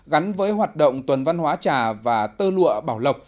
gắn với hoạt động tuần văn hóa trà và tơ lụa bảo lộc